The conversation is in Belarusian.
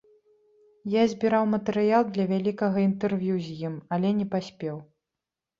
Я збіраў матэрыял для вялікага інтэрв'ю з ім, але не паспеў.